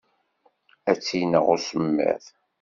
Ad tt-ineɣ usemmiḍ.